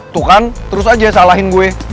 tuh kan terus aja salahin gue